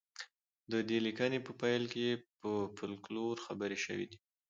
د دې لیکنې په پیل کې په فولکلور خبرې شوې دي